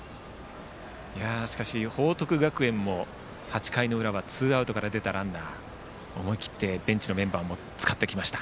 しかし、報徳学園も８回の裏はツーアウトから出たランナーで思い切ってベンチのメンバーを使ってきました。